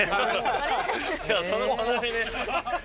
その隣に。